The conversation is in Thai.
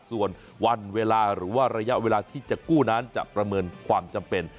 ส่วนวันเวลาหรือว่าระยะเวลาที่จะกู้นั้นจะประเมินความจำเป็น